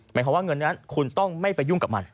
หมายความว่าเงินนั้นคุณต้องไม่ไปยุ่งกับมัน